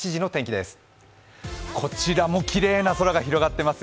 こちらもきれいな空が広がっています。